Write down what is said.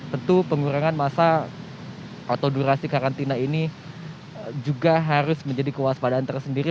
tentu pengurangan masa atau durasi karantina ini juga harus menjadi kewaspadaan tersendiri